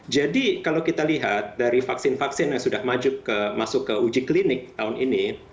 jadi kalau kita lihat dari vaksin vaksin yang sudah masuk ke uji klinik tahun ini